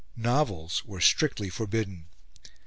Novels were strictly forbidden.